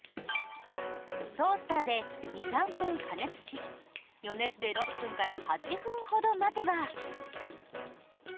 トースターで２３分加熱し余熱で６分から８分ほど待てば。